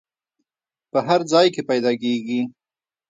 په هر ځای کې پیدا کیږي.